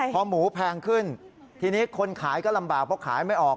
พอหมูแพงขึ้นทีนี้คนขายก็ลำบากเพราะขายไม่ออก